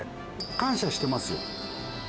感謝してますよ。